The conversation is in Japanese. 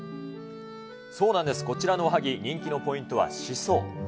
そうなんです、こちらのおはぎ、人気のポイントはしそ。